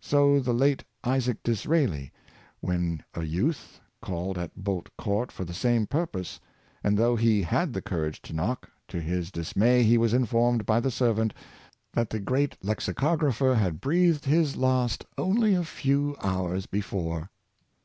So the late Isaac Disraeli, when a youth, called at Bolt Court for the same purpose, and though he had the courage to knock, to his dismay he was informed by the servant that the great lexico grapher had breathed his last only a few hours be fore.